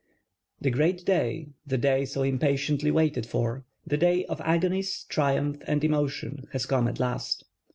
The great day. the day so impatiently waited for, the day of hopes, the day of agonies, triimiph and emotion has come at last.